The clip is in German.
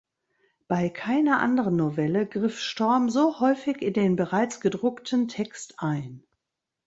Bei keiner anderen Novelle griff Storm so häufig in den bereits gedruckten Text ein.